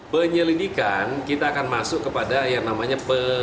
penyelidikan kita akan masuk kepada yang namanya